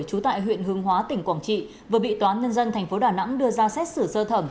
trú tại huyện hương hóa tỉnh quảng trị vừa bị toán nhân dân tp đà nẵng đưa ra xét xử sơ thẩm